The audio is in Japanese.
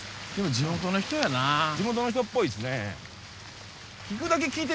地元の人っぽいですね。